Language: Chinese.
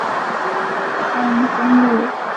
通公路。